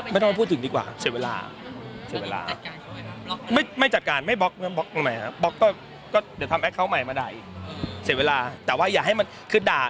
ไม่ต้องพูดถึงดีกว่าเสด็จเวลาแต่ว่าไม่จัดการไม่บอกบอกไหมบอกก็จะทำเน็ตเขาใหม่มาได้เสร็จเวลาแต่ว่ายอดให้มันคือด่า